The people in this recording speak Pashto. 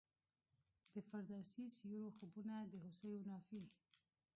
د فردوسي سیورو خوبونه د هوسیو نافي